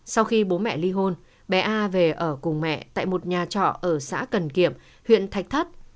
sau khi bố mẹ ly hôn bé a về ở cùng mẹ tại một nhà trọ ở xã cần kiệm huyện thạch thất